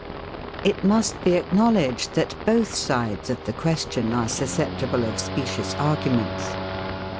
It must be acknowledged, that both sides of the question are susceptible of specious arguments.